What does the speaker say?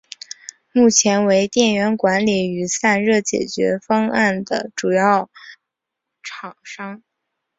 目前为电源管理与散热解决方案的主要厂商。